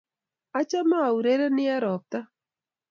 Achame au rereni eng' robta